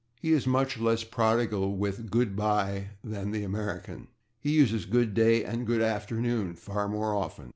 He is much less prodigal with /good bye/ than the American; he uses /good day/ and /good afternoon/ far more often.